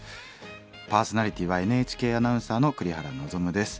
パーソナリティーはＮＨＫアナウンサーの栗原望です。